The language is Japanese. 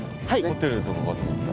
ホテルとかかと思った。